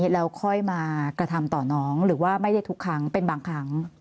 แล้วค่อยมากระทำต่อน้องหรือว่าไม่ได้ทุกครั้งเป็นบางครั้ง